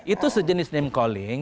itu sejenis name calling